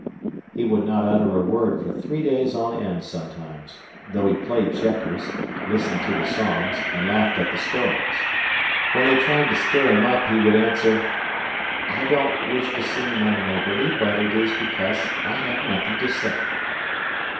He would not utter a word for three days on end sometimes, though he played checkers, listened to the songs, and laughed at the stories. When they tried to stir him up, he would answer: "I don't wish to seem unneighbourly, but it is because I have nothing to say.